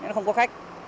nên không có khách